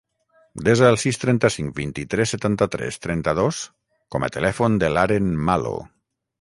Desa el sis, trenta-cinc, vint-i-tres, setanta-tres, trenta-dos com a telèfon de l'Aren Malo.